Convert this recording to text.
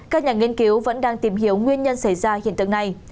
các nhà nghiên cứu vẫn đang tìm hiểu nguyên nhân xảy ra hiện tượng này